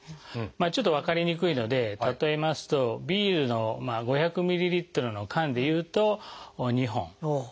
ちょっと分かりにくいので例えますとビールの５００ｍＬの缶でいうと２本。